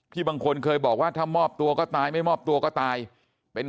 บางคนเคยบอกว่าถ้ามอบตัวก็ตายไม่มอบตัวก็ตายเป็น